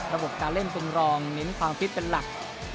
ระบบการเล่นเป็นรองเน้นความฟิตเป็นหลัก